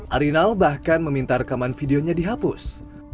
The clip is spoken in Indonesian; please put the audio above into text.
arinal bahkan meminta rekaman videonya dihapus